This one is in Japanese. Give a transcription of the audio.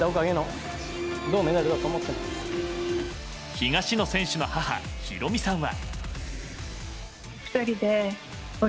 東野選手の母・洋美さんは。